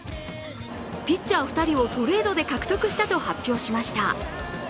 ピッチャー２人をトレードで獲得したと発表しました。